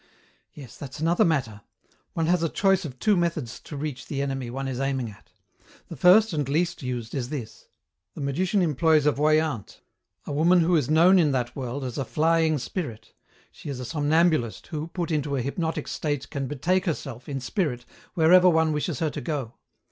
"Yes, that's another matter. One has a choice of two methods to reach the enemy one is aiming at. The first and least used is this: the magician employs a voyant, a woman who is known in that world as 'a flying spirit'; she is a somnambulist, who, put into a hypnotic state, can betake herself, in spirit, wherever one wishes her to go.